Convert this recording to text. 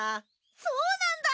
そうなんだ。